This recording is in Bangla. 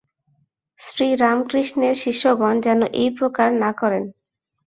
শ্রীরামকৃষ্ণের শিষ্যগণ যেন এই প্রকার না করেন।